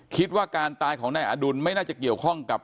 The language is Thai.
คิดว่าการตายของนายอดุลไม่น่าจะเกี่ยวข้องกับ